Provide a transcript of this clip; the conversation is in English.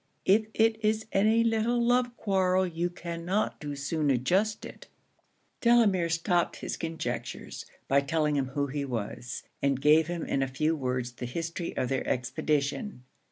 If it is any little love quarrel you cannot too soon adjust it.' Delamere stopped his conjectures, by telling him who he was; and gave him in a few words the history of their expedition.